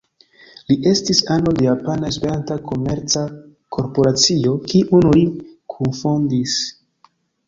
Li estis ano de Japana Esperanta Komerca Korporacio, kiun li kunfondis.